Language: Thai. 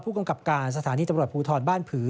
กำกับการสถานีตำรวจภูทรบ้านผือ